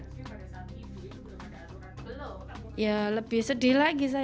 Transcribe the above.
sebelumnya pengadilan ini sudah dianggap sebagai kesalahan